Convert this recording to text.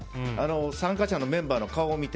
参加者のメンバーの顔を見て。